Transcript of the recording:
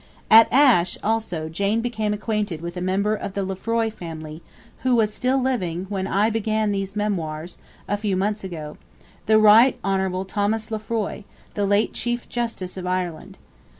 At Ashe also Jane became acquainted with a member of the Lefroy family, who was still living when I began these memoirs, a few months ago; the Right Hon. Thomas Lefroy, late Chief Justice of Ireland.